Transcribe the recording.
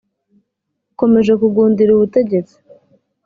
ukomeje kugundira ubutegetsi